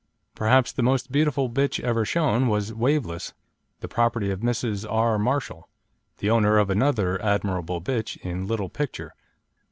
Perhaps the most beautiful bitch ever shown was Waveless, the property of Mrs. R. Marshall, the owner of another admirable bitch in Little Picture.